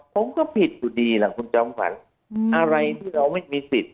ผมก็ผิดตัวดีแหละคุณเจ้าขวัญอืมอะไรที่เราไม่มีสิทธิ์